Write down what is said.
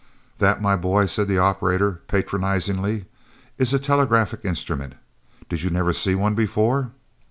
"That, my boy," said the operator, patronizingly, "is a telegraphic instrument. Did you never see one before?"